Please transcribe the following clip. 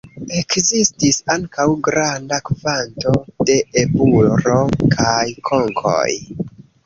Ekzistis ankaŭ granda kvanto de eburo kaj konkoj.